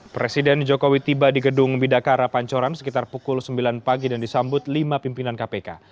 presiden jokowi tiba di gedung bidakara pancoran sekitar pukul sembilan pagi dan disambut lima pimpinan kpk